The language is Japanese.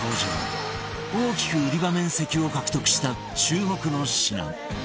大きく売り場面積を獲得した注目の品